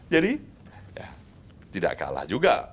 jadi tidak kalah juga